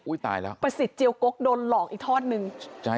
อุ้ยตายแล้วประสิทธิ์เจียวโก๊คโดนหลอกอีกทอดหนึ่งจะให้